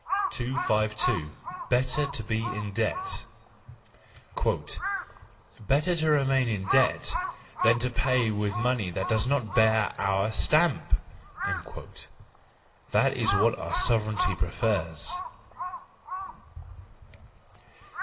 252. Better to be in Debt —" Better to remain in debt than to pay with money which does not bear our stamp! "—that is what our sovereignty prefers.